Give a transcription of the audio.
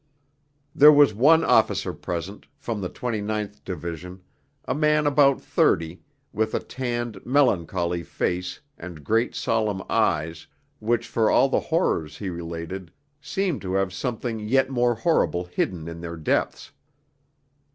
There was one officer present, from the 29th Division, a man about thirty, with a tanned, melancholy face and great solemn eyes, which, for all the horrors he related, seemed to have something yet more horrible hidden in their depths.